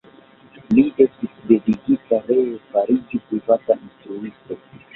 Li estis devigita ree fariĝi privata instruisto.